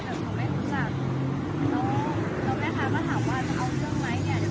ตอนนี้ผมอยู่ต่างจังหวัดตอนนี้กำหนังไปคุยของผู้สาวว่ามีคนละตบ